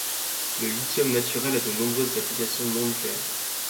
Le lithium naturel a de nombreuses applications non nucléaires.